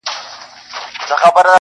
قاضي و ویله هیڅ پروا یې نسته.